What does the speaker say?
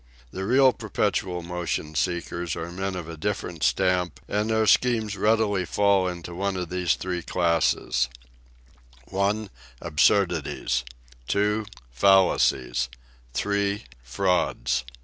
The real perpetual motion seekers are men of a different stamp, and their schemes readily fall into one of these three classes: i. ABSURDITIES, 2. FAL LACIES, 3. FRAUDS.